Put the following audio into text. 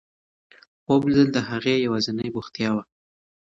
خوب لیدل د هغې یوازینۍ بوختیا وه.